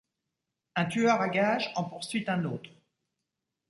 Un tueur à gages en poursuit un autre.